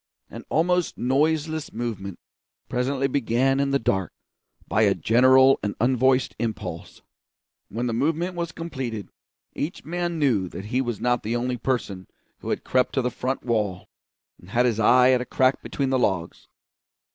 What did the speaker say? An almost noiseless movement presently began in the dark, by a general and unvoiced impulse. When the movement was completed, each man knew that he was not the only person who had crept to the front wall and had his eye at a crack between the logs.